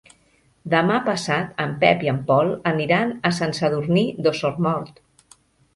Demà passat en Pep i en Pol aniran a Sant Sadurní d'Osormort.